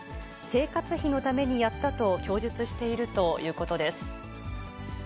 生活費のためにやったと供述しているということです。